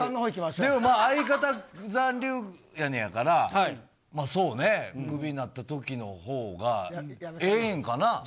でもまあ、相方、残留やねんやから、まあ、そうね、クビになったときのほうが、ええんかな？